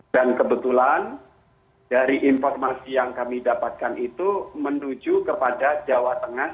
dan kebetulan dari informasi yang kami dapatkan itu menuju kepada jawa tengah